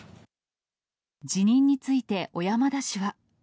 辞任について小山田氏は。